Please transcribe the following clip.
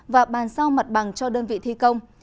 và bàn sao mặt bằng cho đơn vị thi công